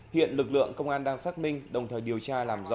hiện lực lượng công an đang xác minh đồng thời điều tra làm rõ nguyên nhân vụ việc